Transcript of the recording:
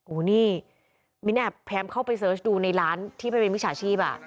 โอ้นี่มินแอบแพมเข้าไปเสิร์ชดูในร้านที่ไปเป็นวิชาชีพอ่ะ